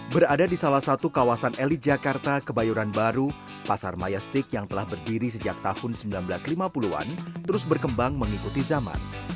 berada di salah satu kawasan elit jakarta kebayoran baru pasar mayastik yang telah berdiri sejak tahun seribu sembilan ratus lima puluh an terus berkembang mengikuti zaman